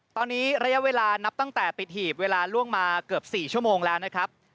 ตอนนี้ระยะเวลานับตั้งแต่ปิดหีบเวลาล่วงมาเกือบ๔ชั่วโมงแล้วนะครับ